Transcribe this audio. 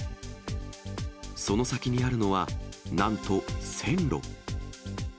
その先にあるのは、なんと線路。